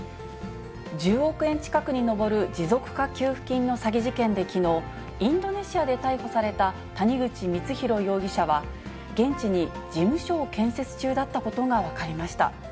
１０億円近くに上る持続化給付金の詐欺事件できのう、インドネシアで逮捕された谷口光弘容疑者は、現地に事務所を建設中だったことが分かりました。